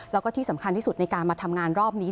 แล้วก็ที่สำคัญที่สุดในการมาทำงานรอบนี้